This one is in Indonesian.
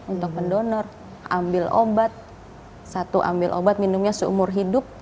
untuk mendonor ambil obat satu ambil obat minumnya seumur hidup